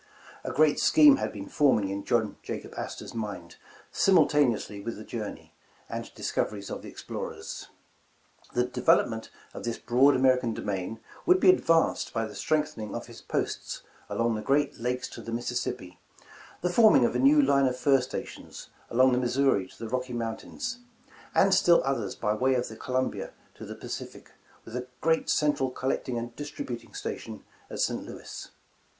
A great scheme had been forming in John Jacob Astor 's mind, simultaneously with the journey and dis coveries of the explorers. The development of this broad American domain, would be advanced by the 150 A Vision strengthening of his posts along the Great Lakes to the Mississippi, the forming of a new line of fur stations along the Missouri to the Rocky Mountains, and still others by way of the Columbia to the Pacific, with "a great central collecting and distributing station at St 4 Louis.